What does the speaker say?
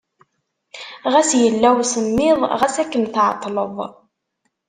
Ɣas yella usemmiḍ, ɣas akken tɛeṭṭleḍ.